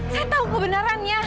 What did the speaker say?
saya tahu kebenarannya